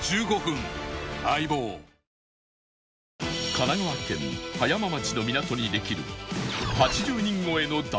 神奈川県葉山町の港にできる